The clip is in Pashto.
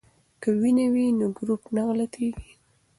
که وینه وي نو ګروپ نه غلطیږي.